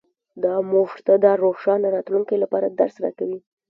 دا موږ ته د روښانه راتلونکي لپاره درس راکوي